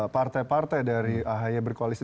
partai partai dari aha yang berkoalisi